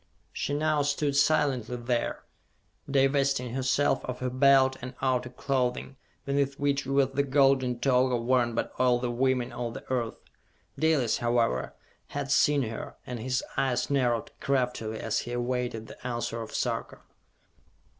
She now stood silently there, divesting herself of her Belt and outer clothing, beneath which was the golden toga worn by all the women of the earth. Dalis, however, had seen her, and his eyes narrowed craftily as he awaited the answer of Sarka.